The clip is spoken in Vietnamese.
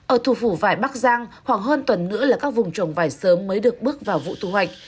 ở thủ phủ vải bắc giang khoảng hơn tuần nữa là các vùng trồng vải sớm mới được bước vào vụ thu hoạch